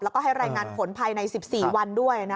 และให้รายงานผลภัยใน๑๔วันด้วยนะคะ